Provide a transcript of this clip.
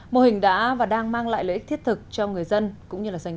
mô hình đã và đang mang lại lợi ích thiết thực